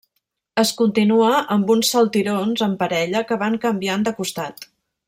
Es continua amb uns saltirons en parella que van canviant de costat.